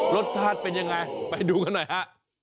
รสชาติเป็นยังไงไปดูกันหน่อยฮะ